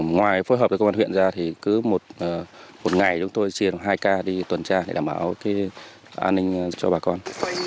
ngoài phối hợp với công an huyện ra thì cứ một ngày chúng tôi chia hai k đi tuần tra để đảm bảo an ninh cho bà con